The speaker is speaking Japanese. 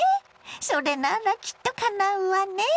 それならきっとかなうわね。